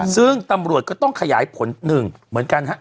ซึ่งตำรวจก็ต้องขยายผลหนึ่งเหมือนกันฮะ